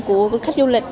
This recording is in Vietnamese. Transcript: của khách du lịch